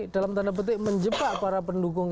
dalam tanda petik menjebak para pendukung